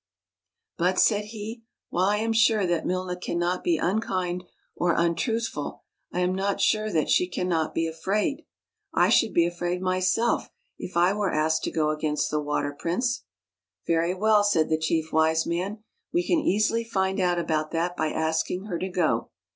" But," said he, " while I am sure that Milna can not be unkind or untruthful, I am not sure that she can not be afraid. I should be afraid, myself, if I were asked to go against the Water Prince." " Very well," said the Chief Wise Man. " We can easily find out about that by asking her to go.